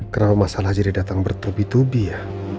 kenapa mas alhajri datang bertubi tubi ya